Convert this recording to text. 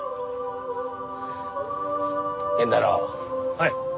はい。